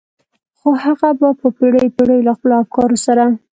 خو هغه به په پېړيو پېړيو له خپلو افکارو سره.